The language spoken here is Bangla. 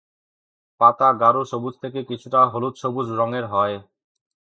পাতা গাঢ় সবুজ থেকে কিছুটা হলুদ-সবুজ রঙের হয়।